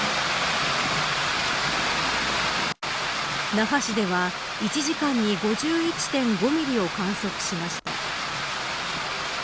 那覇市では１時間に５１．５ミリを観測しました。